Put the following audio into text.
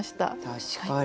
確かに。